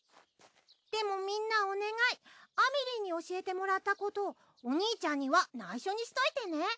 でもみんなお願いあみりいに教えてもらったことお兄ちゃんには内緒にしといてね。